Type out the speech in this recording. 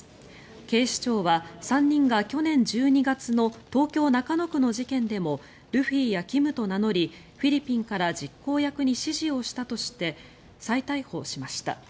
警視庁は３人が去年１２月の東京・中野区の事件でもルフィやキムと名乗りフィリピンから実行役に指示をしたとして再逮捕しました。